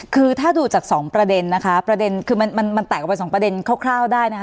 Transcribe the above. คือถ้าดูจากสองประเด็นนะคะประเด็นคือมันแตกออกไปสองประเด็นคร่าวได้นะคะ